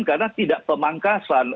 karena tidak pemangkasan